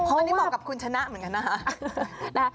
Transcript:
อันนี้เหมาะกับคุณชนะเหมือนกันนะคะ